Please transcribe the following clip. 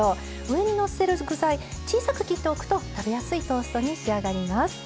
上にのせる具材小さく切っておくと食べやすいトーストに仕上がります。